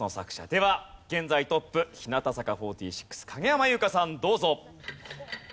では現在トップ日向坂４６影山優佳さんどうぞ。